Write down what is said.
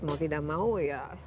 mau tidak mau ya